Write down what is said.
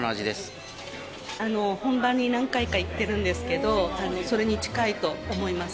本場に何回か行ってるんですけど、それに近いと思います。